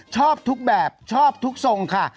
ชอบทุกแบบชอบทุกทรงค่ะ